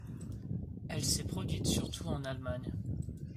Elle s'est produite surtout en Allemagne.